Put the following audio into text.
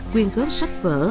quyên gớm sách vở